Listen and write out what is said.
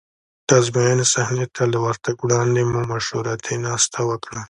د ازموینې صحنې ته له ورتګ وړاندې مو مشورتي ناسته وکړه.